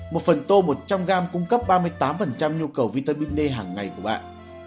một phần tô một trăm linh gram cung cấp ba mươi tám nhu cầu vitamin d hàng ngày của bạn